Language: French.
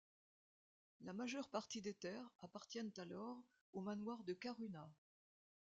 La majeure partie des terres appartiennent alors au manoir de Karuna.